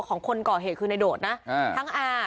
ของคนเกาะเหตุคือในโดดนะ